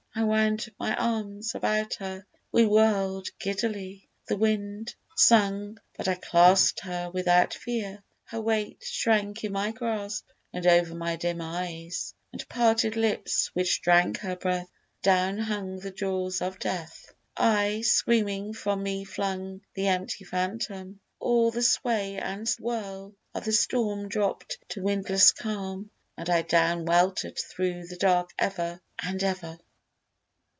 I wound my arms About her: we whirl'd giddily: the wind Sung: but I clasp'd her without fear: her weight Shrank in my grasp, and over my dim eyes And parted lips which drank her breath, down hung The jaws of Death: I, screaming, from me flung The empty phantom: all the sway and whirl Of the storm dropt to windless calm, and I Down welter'd thro' the dark ever and ever.